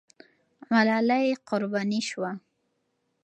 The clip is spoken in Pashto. ملالۍ قرباني سوه.